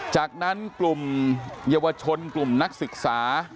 จากนั้นกลุ่มเยาวชนกลุ่มนักศึกษา